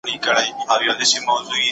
¬ د سپو سلا فقير ته يوه ده.